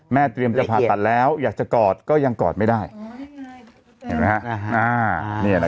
แม่เตรียมจะผ่าตัดแล้วอยากจะกอดก็ยังกอดไม่ได้อ๋อนี่ไง